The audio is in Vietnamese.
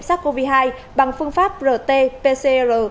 sát covid hai bằng phương pháp rt pcr